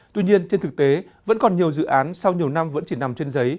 tuy nhiên trên thực tế vẫn còn nhiều dự án sau nhiều năm vẫn chỉ nằm trên giấy